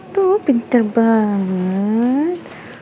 tuh pinter banget